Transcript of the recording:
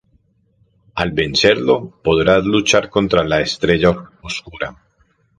Al vencerlo, podrás luchar contra la estrella oscura.